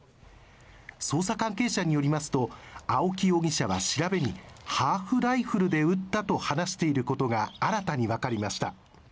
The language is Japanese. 捜査関係者によりますと青木容疑者は調べにハーフライフルで撃ったと話していることが新たにわかりました。